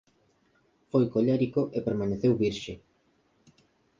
Foi colérico e permaneceu virxe.